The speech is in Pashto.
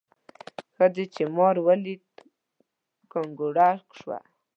ښځې چې مار ولید کنګوره شوه.